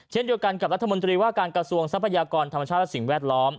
เช่นเดียวกันกับรัฐมนตรีว่าการกระทรวงทรัพยากรธรรมชาติและสิ่งแวดล้อม